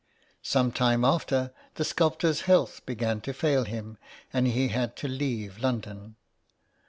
Some time after, the sculptor's health began to fail him and he had to leave London.